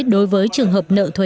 đối với trường hợp quản lý thuế